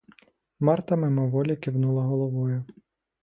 Марта мимоволі кивнула головою.